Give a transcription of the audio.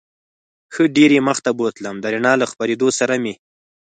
ښه ډېر یې مخ ته بوتلم، د رڼا له خپرېدو سره مې.